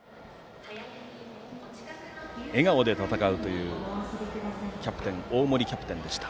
笑顔で戦うという大森キャプテンでした。